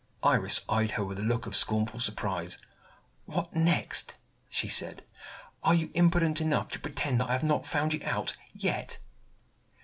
Iris eyed her with a look of scornful surprise. "What next?" she said. "Are you impudent enough to pretend that I have not found you out, yet?"